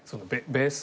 ベース。